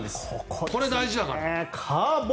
これ大事だから。